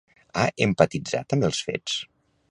Ha empatitzat amb els fets?